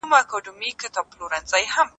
قورچي باشي او ایشیک اقاسي بیرته ښار ته راستنېدل.